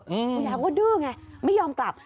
คุณยายกลับบ้านเถอะคุณยายก็ดื้อไงไม่ยอมกลับ